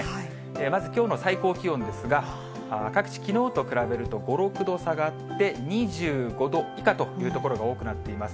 まずきょうの最高気温ですが、各地、きのうと比べると５、６度下がって、２５度以下という所が多くなっています。